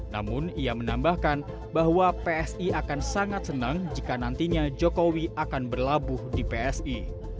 namun ia menambahkan bahwa psi akan sangat senang jika nantinya jokowi akan berlabuh di psi